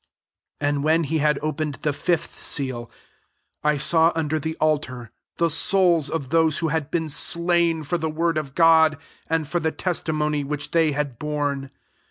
9 And when he had opened the fifth seal, I saw under the altar the souls of those who had be^i slain for the word of God, and for the testimony whk^ they had borne.